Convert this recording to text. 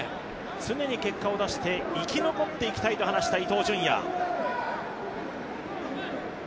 常に結果を出して生き残っていたいと話している伊東純也。